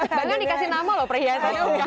mbak maudie dikasih nama loh perhiasannya